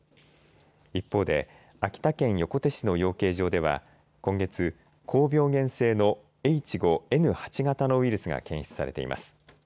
一方で秋田県横手市の養鶏場では今月、高病原性のＨ５Ｎ８型のウイルスが検出されています。